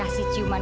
aku sudah mati